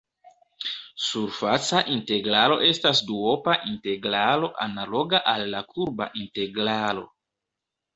Surfaca integralo estas duopa integralo analoga al la kurba integralo.